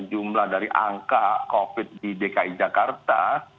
jumlah dari angka covid di dki jakarta